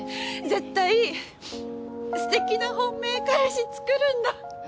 絶対すてきな本命彼氏作るんだ！